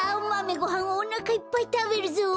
ごはんをおなかいっぱいたべるぞ！